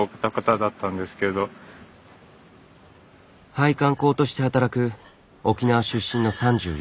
配管工として働く沖縄出身の３４歳。